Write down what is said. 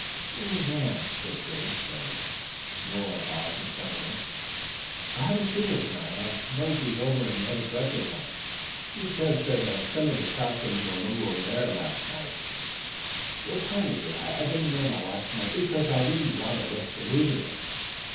"Where's Anne?" said Grace as Nora paused in front of her. "I haven't see her to night. I suppose she's over in the other dressing room. Miss Tebbs said that some of the costumes were moved over there after we left last night. What time is it? I didn't wear my watch to night because I didn't want to risk losing it."